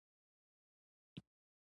انجنير دغه کباړي ته يوه مهمه توصيه وکړه.